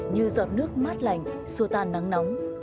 như giọt nước mát lành xua tan nắng nóng